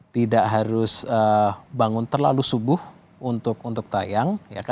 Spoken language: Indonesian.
tidak harus bangun terlalu subuh untuk tayang